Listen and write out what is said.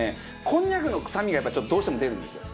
こんにゃくの臭みがやっぱどうしても出るんですよ。